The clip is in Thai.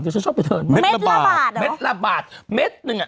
เดี๋ยวฉันชอบไปเทิร์นเม็ดละบาทอ่ะเม็ดละบาทเม็ดหนึ่งอ่ะ